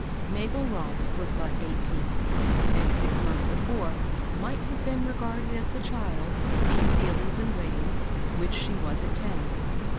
Mabel Ross was but eighteen, and, six months before, might have been regarded as the child, in feelings and ways, which she was at ten.